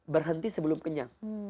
berhenti sebelum kenyang